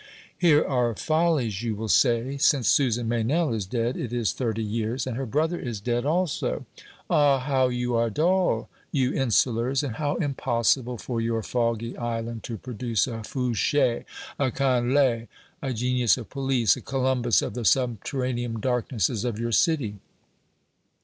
Here are follies, you will say. Since Susan Meynell is dead it is thirty years, and her brother is dead also. Ah, how you are dull, you insulars, and how impossible for your foggy island to produce a Fouché, a Canler, a genius of police, a Columbus of the subterranean darknesses of your city.